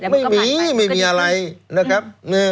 ไม่มีไม่มีอะไรนะครับ